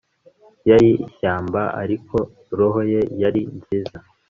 yari ishyamba, ariko roho ye yari nziza